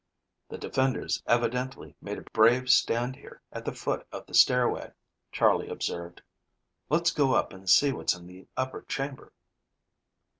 "The defenders evidently made a brave stand here at the foot of the stairway," Charley observed. "Let's go up and see what's in the upper chamber."